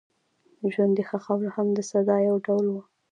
ژوندي ښخول هم د سزا یو ډول و.